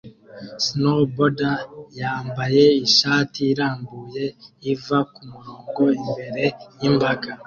Snowboarder yambaye ishati irambuye iva kumurongo imbere yimbaga